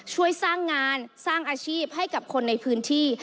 ช่วยสร้างงานสร้างอาชีพให้กับคนในพื้นที่